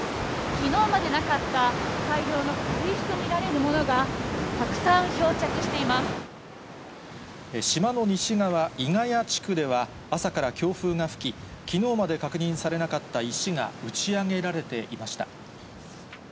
きのうまでなかった大量の軽石と見られるものが、たくさん漂着し島の西側、伊ヶ谷地区では、朝から強風が吹き、きのうまで確認されなかった石が打ち上げられていました。